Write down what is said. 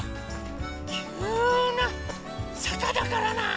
きゅうなさかだからな。